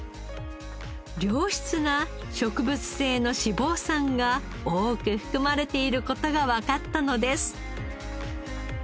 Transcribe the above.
良質な植物性の脂肪酸が多く含まれている事がわかったのです。